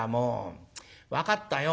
分かったよ。